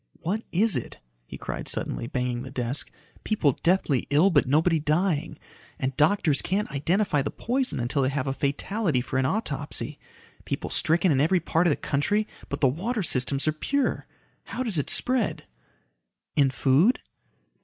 "What is it?" he cried suddenly, banging the desk. "People deathly ill, but nobody dying. And doctors can't identify the poison until they have a fatality for an autopsy. People stricken in every part of the country, but the water systems are pure. How does it spread?" "In food?"